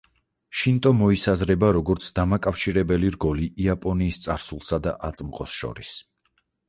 შინტო მოისაზრება როგორც დამაკავშირებელი რგოლი იაპონიის წარსულსა და აწმყოს შორის.